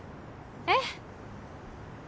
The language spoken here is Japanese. えっ？